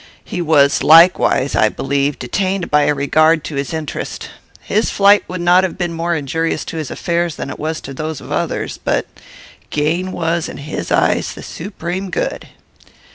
He was likewise, I believe, detained by a regard to his interest. His flight would not have been more injurious to his affairs than it was to those of others; but gain was, in his eyes, the supreme good.